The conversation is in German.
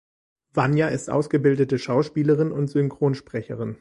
Vanja ist ausgebildete Schauspielerin und Synchronsprecherin.